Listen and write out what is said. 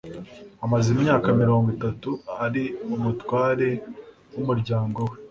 Amaze imyaka mirongo itatu ari umutware wumuryango we.